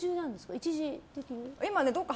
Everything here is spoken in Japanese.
一時的に？